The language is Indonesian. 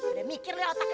udah mikir lo otaknya